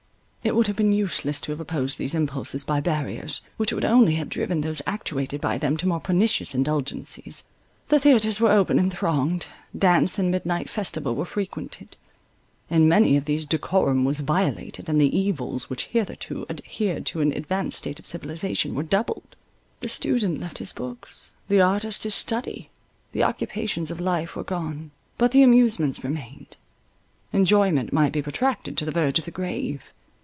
It would have been useless to have opposed these impulses by barriers, which would only have driven those actuated by them to more pernicious indulgencies. The theatres were open and thronged; dance and midnight festival were frequented—in many of these decorum was violated, and the evils, which hitherto adhered to an advanced state of civilization, were doubled. The student left his books, the artist his study: the occupations of life were gone, but the amusements remained; enjoyment might be protracted to the verge of the grave.